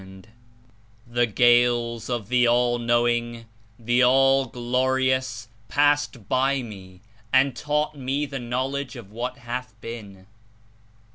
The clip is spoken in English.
69 *'The gales of the All knowing, the All glorious, passed by me and taught me the knowledge of what hath been.